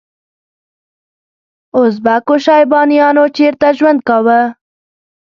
ازبکو شیبانیانو چیرته ژوند کاوه؟